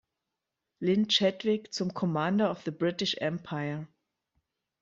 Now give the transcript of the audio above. Lynn Chadwick zum Commander of the British Empire.